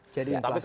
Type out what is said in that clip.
jadi inflasi itu